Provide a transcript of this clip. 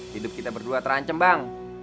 hidup kita berdua terancam bang